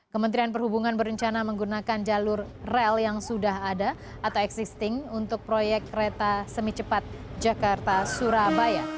kementerian perhubungan berencana menggunakan jalur rel yang sudah ada atau existing untuk proyek kereta semi cepat jakarta surabaya